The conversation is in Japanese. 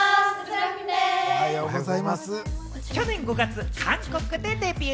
去年５月、韓国でデビュー。